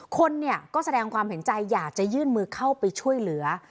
คนเนี่ยก็แสดงความเห็นใจอยากจะยื่นมือเข้าไปช่วยเหลือ